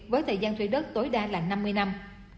với thời gian thuê đất tối đa là năm mươi năm